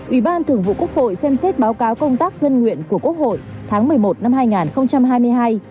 ủy ban thường vụ quốc hội xem xét báo cáo công tác dân nguyện của quốc hội tháng một mươi một năm hai nghìn hai mươi hai